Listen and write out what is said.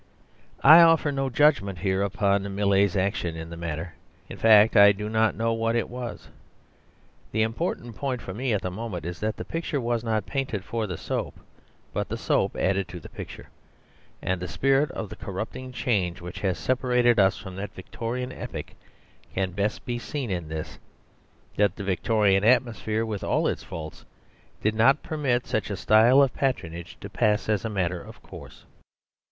I offer no judgment here upon Millais's action in the matter; in fact, I do not know what it was. The important point for me at the moment is that the picture was not painted for the soap, but the soap added to the picture. And the spirit of the corrupting change which has separated us from that Victorian epoch can be best seen in this: that the Victorian atmosphere, with all its faults, did not permit such a style of patronage to pass as a matter of course.